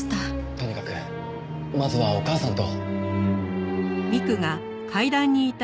とにかくまずはお母さんと。